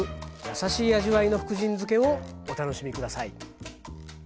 優しい味わいの福神漬けをお楽しみ下さい。